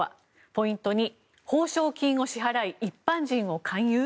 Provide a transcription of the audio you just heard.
ポイント２、報奨金を支払い一般人を勧誘？